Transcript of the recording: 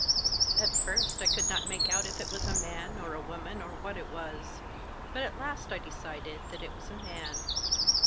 At first I could not make out if it was a man or woman or what it was. But at last I decided that it was a man.